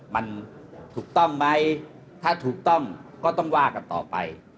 มันถูกต้องไหมถ้าถูกต้องก็ต้องว่ากันต่อไป